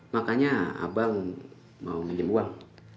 makanya abang mau minjem uang